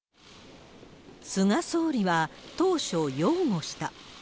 菅総理は当初、擁護した。